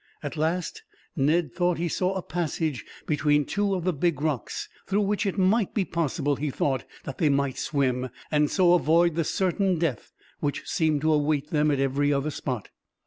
At last, Ned thought he saw a passage between two of the big rocks, through which it might be possible, he thought, that they might swim, and so avoid the certain death which seemed to await them at every other spot.